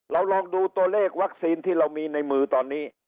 ลองดูตัวเลขวัคซีนที่เรามีในมือตอนนี้